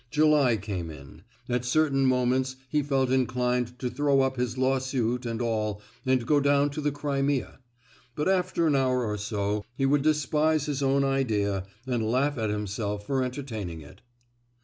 July came in. At certain moments he felt inclined to throw up his lawsuit and all, and go down to the Crimea; but after an hour or so he would despise his own idea, and laugh at himself for entertaining it.